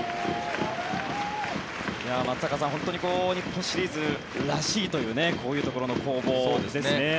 松坂さん、本当に日本シリーズらしいというこういうところの攻防ですね。